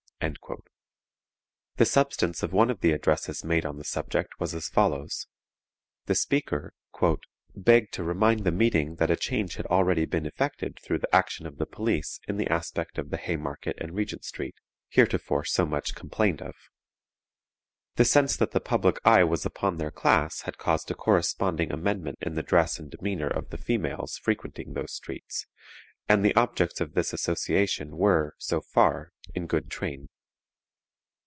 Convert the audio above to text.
The substance of one of the addresses made on the subject was as follows: The speaker "begged to remind the meeting that a change had already been effected through the action of the police in the aspect of the Haymarket and Regent Street, heretofore so much complained of. The sense that the public eye was upon their class had caused a corresponding amendment in the dress and demeanor of the females frequenting those streets; and the objects of this association were, so far, in good train.